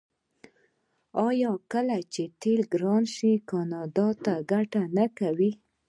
آیا کله چې تیل ګران شي کاناډا ګټه نه کوي؟